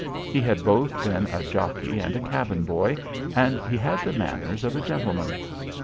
He had both been a jockey and a cabin boy, and he had the manners of a gentleman.